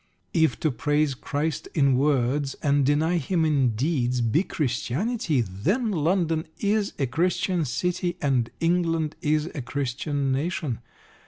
If to praise Christ in words, and deny Him in deeds, be Christianity, then London is a Christian city, and England is a Christian nation.